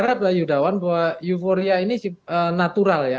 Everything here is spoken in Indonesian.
terima kasih pak yudawan bahwa euforia ini natural ya